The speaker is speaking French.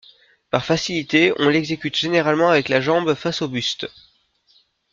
Par facilité, on l'exécute généralement avec la jambe face au buste.